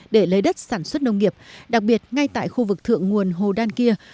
để lấy đất sản xuất nông nghiệp đặc biệt ngay tại khu vực thượng nguồn hồ đan kia